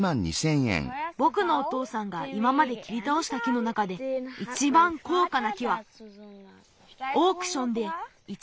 ぼくのおとうさんがいままできりたおした木の中でいちばんこうかな木はオークションで１